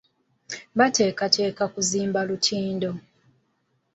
Bateekateeka kuzimba lutindo.